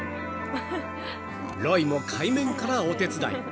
［ロイも海面からお手伝い］